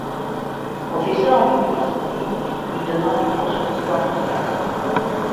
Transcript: Professeur à l'Université, il y donnera des cours sur l'histoire du théâtre.